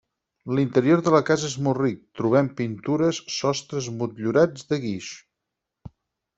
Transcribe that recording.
L'interior de la casa és molt ric, trobem pintures, sostres motllurats de guix.